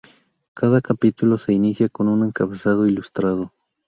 Cada capítulo se inicia con un encabezado ilustrado.